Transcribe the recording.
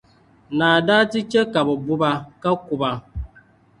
naa daa ti chɛ ka bɛ bu ba, ka ku ba.